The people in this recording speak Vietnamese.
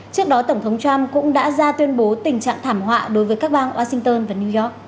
trước đó tổng thống trump cũng đã ra tuyên bố tình trạng thảm họa đối với các bang washington và new york